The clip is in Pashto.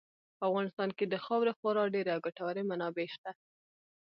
په افغانستان کې د خاورې خورا ډېرې او ګټورې منابع شته.